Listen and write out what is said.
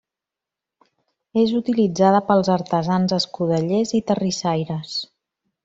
És utilitzada pels artesans escudellers i terrissaires.